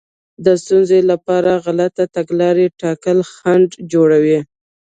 د ستونزې لپاره غلطه تګلاره ټاکل خنډ جوړوي.